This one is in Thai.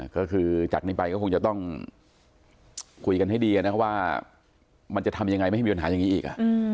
ก็คือจากนี้ไปก็คงจะต้องคุยกันให้ดีนะว่ามันจะทำยังไงไม่ให้มีปัญหาอย่างนี้อีก